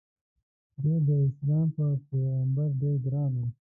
د ی داسلام په پیغمبر ډېر ګران و.